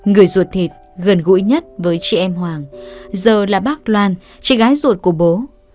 người ruột thịt gần gũi nhất với chị em hoàng giờ là bác loan chị gái ruột của bố